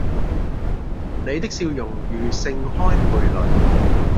你的笑容如盛開蓓蕾